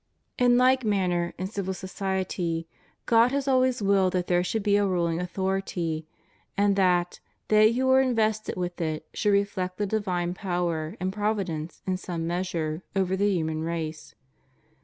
In like manner in civil society, God has always willed that there should be a ruling authority, and that they who are invested with it should reflect the divine power and prov idence in some measure over the human race.